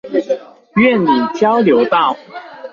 苑裡交流道